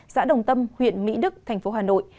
xã đồng tâm huyện mỹ đức tp hà nội